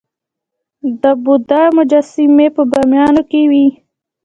د بودا مجسمې په بامیان کې وې